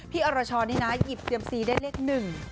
อรชรนี่นะหยิบเซียมซีได้เลขหนึ่ง